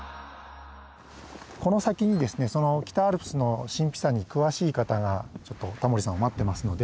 この先にですね北アルプスの神秘さに詳しい方がタモリさんを待ってますので。